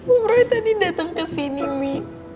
om roy tadi dateng ke sini mi